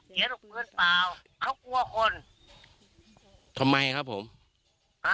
ทำไมครับผม